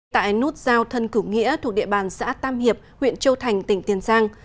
tại nút giao thân cửu nghĩa thuộc địa bàn xã tam hiệp huyện châu thành tỉnh tiền giang